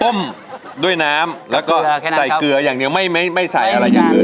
ด้วยน้ำแล้วก็ใส่เกลืออย่างเดียวไม่ใส่อะไรอย่างอื่น